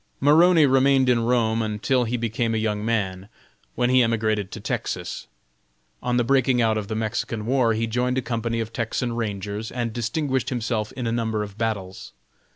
Maroney remained in Rome until he became a young man, when he emigrated to Texas. On the breaking out of the Mexican war he joined a company of Texan Rangers, and distinguished himself in a number of battles.